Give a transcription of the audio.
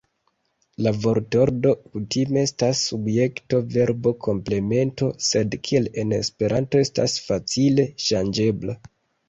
La vortordo kutime estas subjekto-verbo-komplemento, sed kiel en Esperanto estas facile ŝanĝebla.